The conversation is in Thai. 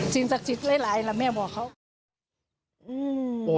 จริงข้ากระยายแล้วแม่บอกเขา